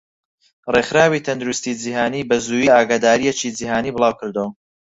ڕێخراوی تەندروستی جیهانی بەزوویی ئاگاداریەکی جیهانی بڵاوکردەوە.